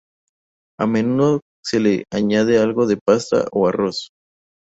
A menudo se le añade algo de pasta o arroz.